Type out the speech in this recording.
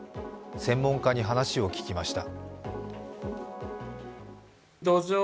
専門家に話を聞きました。